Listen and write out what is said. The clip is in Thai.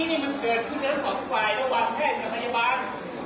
อันนี้มันเกิดผู้เจ้าสมภัยระหว่างแพทย์หรือพยาบาล